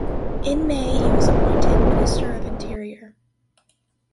In May he was appointed Minister of Interior.